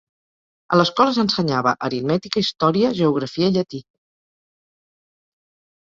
A l'escola s'ensenyava aritmètica, història, geografia i llatí.